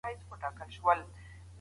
بد انسان تل توند ږغ لري